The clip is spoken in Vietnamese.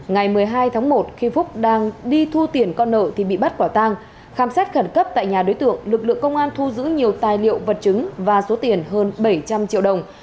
ngày một mươi hai tháng một khi phúc đang đi thu tiền con nợ thì bị bắt quả tang khám xét khẩn cấp tại nhà đối tượng lực lượng công an thu giữ nhiều tài liệu vật chứng và số tiền hơn bảy trăm linh triệu đồng